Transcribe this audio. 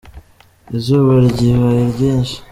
Izuba ribaye ryinshi.